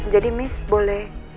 jadi miss boleh